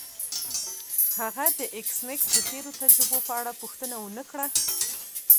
هغه د ایس میکس د تیرو تجربو په اړه پوښتنه ونه کړه